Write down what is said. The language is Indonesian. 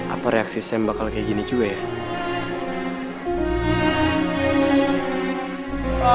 apa reaksi sam bakal kayak gini juga ya